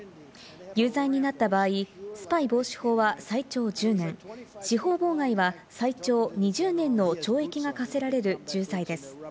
有罪になった場合、スパイ防止法は最長１０年、司法妨害は最長２０年の懲役が科せられる重罪です。